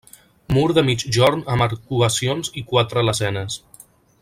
Mur de migjorn amb arcuacions i quatre lesenes.